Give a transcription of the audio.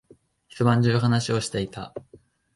一晩中話をしていた。